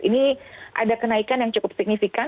ini ada kenaikan yang cukup signifikan